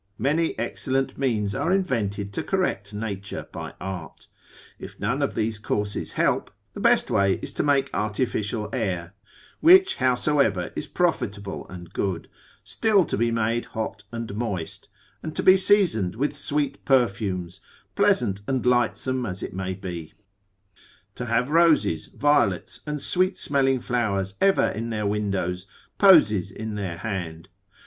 Many excellent means are invented to correct nature by art. If none of these courses help, the best way is to make artificial air, which howsoever is profitable and good, still to be made hot and moist, and to be seasoned with sweet perfumes, pleasant and lightsome as it may be; to have roses, violets, and sweet smelling flowers ever in their windows, posies in their hand.